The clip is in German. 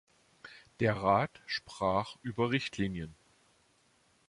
Der Rat sprach über Richtlinien.